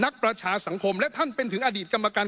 ฆ่าสังคมและท่านเป็นอดีตกรรมการ